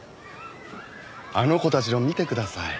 あの子たちを見てください。